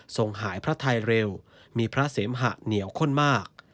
ส่งหายพระไทยเร็วมีพระเสมหะเหนียวข้นมาก